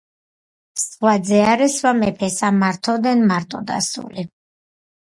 სხვა ძე არ ესვა მეფესა, მართ ოდენ მარტო ასული,